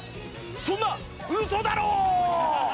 そんなウソだろー！